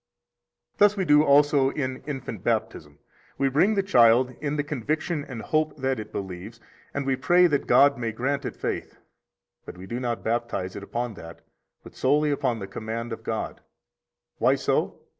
57 Thus we do also in infant baptism. We bring the child in the conviction and hope that it believes, and we pray that God may grant it faith; but we do not baptize it upon that, but solely upon the command of God. Why so?